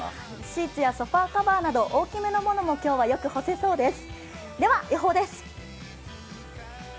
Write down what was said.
シーツやソファーカバーなど、大きめなものも、今日はよく干せそうです。